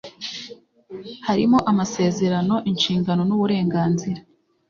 harimo amasezerano inshingano n uburenganzira